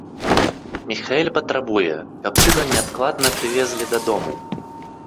Міхаэль патрабуе, каб сына неадкладна прывезлі дадому.